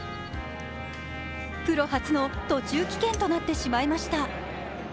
プロ初の途中棄権となってしまいました。